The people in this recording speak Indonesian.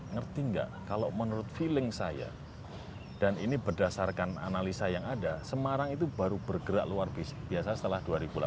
ngerti nggak kalau menurut feeling saya dan ini berdasarkan analisa yang ada semarang itu baru bergerak luar biasa setelah dua ribu delapan belas